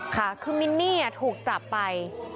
ค่ะคือมินนี่ถูกจับไป